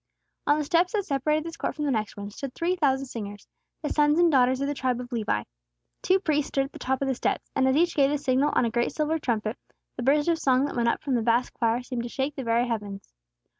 On the steps that separated this court from the next one, stood three thousand singers, the sons and daughters of the tribe of Levi. Two priests stood at the top of the steps, and as each gave the signal on a great silver trumpet, the burst of song that went up from the vast choir seemed to shake the very heavens.